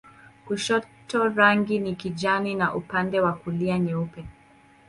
Kushoto rangi ni kijani na upande wa kulia nyeupe.